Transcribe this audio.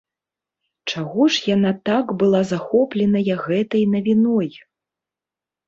Чаго ж яна так была захопленая гэтай навіной?